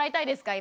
今。